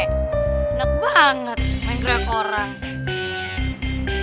enak banget main gerak orang